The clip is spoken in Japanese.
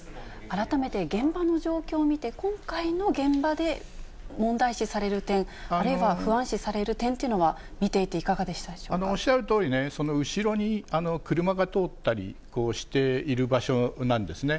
改めて、現場の状況を見て、今回の現場で問題視される点、あるいは不安視される点というのは、おっしゃるとおり、後ろに車が通ったりしている場所なんですね。